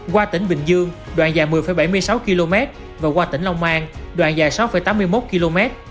qua tỉnh bình dương đoạn dài một mươi bảy mươi sáu km và qua tỉnh long an đoạn dài sáu tám mươi một km